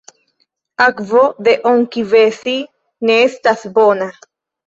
Akvo de Onkivesi ne estas bona.